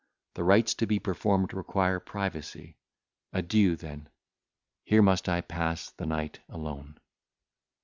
The rites to be performed require privacy; adieu, then, here must I pass the night alone."